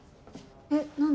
えっ何で？